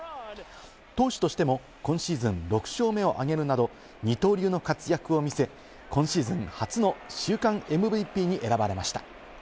投手としても今シーズン６勝目を挙げるなど二刀流の活躍を見せ、今シーズン初の週間ＭＶＰに選ばれました。